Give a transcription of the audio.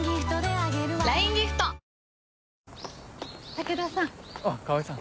武田さん。